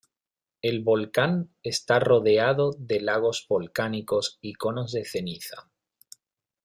El volcán está rodeado de lagos volcánicos y conos de ceniza.